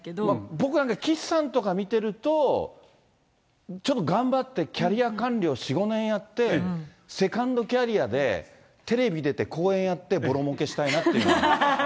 僕は岸さんなんか見てると、ちょっと頑張って、キャリア官僚、４、５年やって、セカンドキャリアでテレビ出て、講演やって、ぼろもうけしたいなっていうのはある。